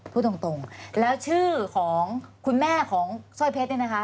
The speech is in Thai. พูดตรงแล้วชื่อของคุณแม่ของสร้อยเพชรเนี่ยนะคะ